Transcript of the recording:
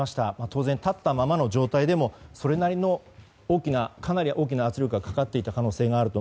当然、立ったままの状態でもそれなりの大きな圧力がかかっていた可能性があると。